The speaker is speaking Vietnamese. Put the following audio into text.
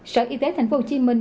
sở y tế thành phố hồ chí minh